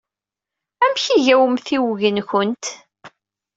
Amek ay iga wemtiweg-nwent?